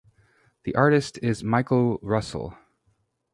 The artist is Michael Russell.